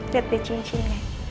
lihat di cincinnya